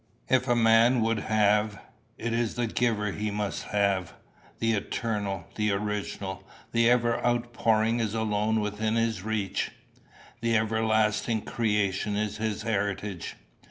If man would have, it is the giver he must have; the eternal, the original, the ever outpouring is alone within his reach; the everlasting creation is his heritage.